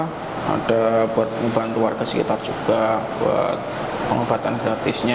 ada buat membantu warga sekitar juga buat pengobatan gratisnya